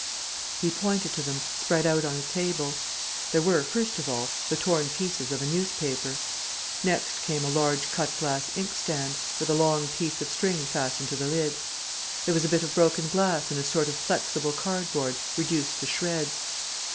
He pointed to them, spread out on a table. There were, first of all, the torn pieces of a newspaper. Next came a large cut glass inkstand, with a long piece of string fastened to the lid. There was a bit of broken glass and a sort of flexible cardboard, reduced to shreds.